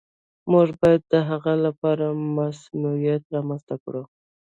موږ باید د هغه لپاره مصونیت رامنځته کړو.